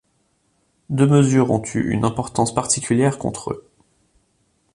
Deux mesures ont eu une importance particulière contre eux.